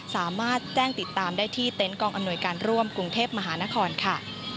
สามารถแจ้งติดตามได้ที่เต็นต์กองอำนวยการร่วมกรุงเทพมหานครค่ะ